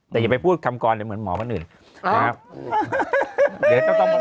แต่อย่าไปพูดคำกรเดี๋ยวเหมือนหมอคนอื่นนะครับ